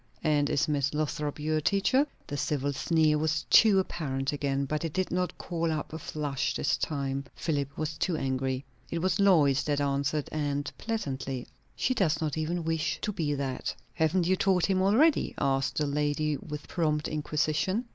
"And is Miss Lothrop your teacher?" The civil sneer was too apparent again, but it did not call up a flush this time. Philip was too angry. It was Lois that answered, and pleasantly, "She does not even wish to be that." "Haven't you taught him already?" asked the lady, with prompt inquisition.